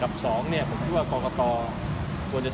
อะไรทำได้